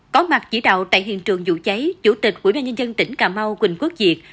có mặt chỉ đạo tại hiện trường vụ cháy chủ tịch quỹ đoàn nhân dân tỉnh cà mau quỳnh quốc diệt